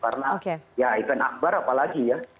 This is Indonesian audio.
karena ya event akbar apalagi ya